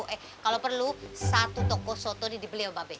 eh kalau perlu satu toko soto ini dibeli sama babek